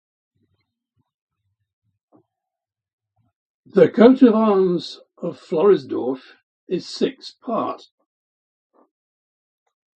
The coat of arms of Floridsdorf is six-part.